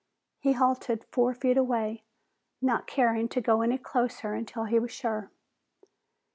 He halted four feet away, not caring to go any closer until he was sure.